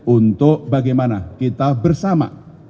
untuk bagaimana kita bersama